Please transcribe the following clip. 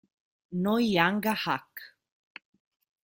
Noh Young-hak